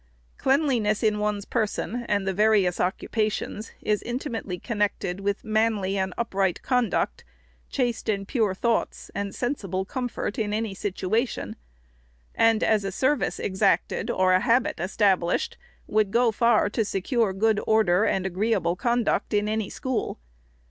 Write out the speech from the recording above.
Cleanliness in one's person, and the various occupations, is intimately connected with manly and upright conduct, 480 REPORT OP THE SECRETARY chaste and pure thoughts, and sensible comfort in any situation ; and, as a service exacted, or a habit estab lished, would go far to secure good order and agreeable conduct in any school.